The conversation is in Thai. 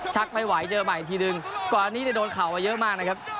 ไม่ไหวเจอใหม่อีกทีหนึ่งก่อนอันนี้โดนเข่ามาเยอะมากนะครับ